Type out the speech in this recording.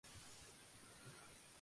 Consternados, los hermanos salen.